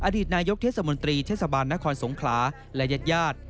อดีตนายกเทศมนตรีเทศบาลนครสงขลาและญาติญาติ